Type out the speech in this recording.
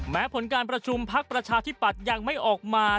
แม้ผลการประชุมพักประชาธิปัตย์ยังไม่ออกมา